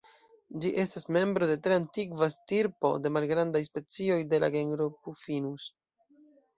Ĝi estas membro de tre antikva stirpo de malgrandaj specioj de la genro "Puffinus".